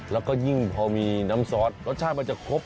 แล้วก็ยิ่งพอมีน้ำซอสรสชาติมันจะครบ